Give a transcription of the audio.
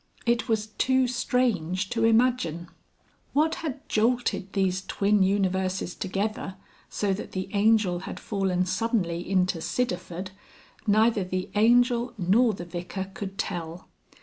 It was too strange to imagine. What had jolted these twin universes together so that the Angel had fallen suddenly into Sidderford, neither the Angel nor the Vicar could tell.